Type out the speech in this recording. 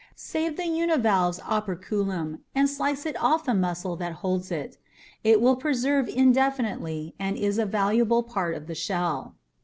Save the univalve's operculum and slice it off the muscle that holds it. It will preserve indefinitely and is a valuable part of the shell.